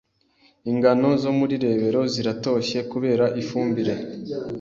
Ingano zo muri Rebero ziratoshye kubera ifumbire.